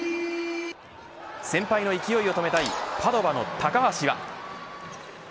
先輩の勢いを止めたいパドパの高橋は。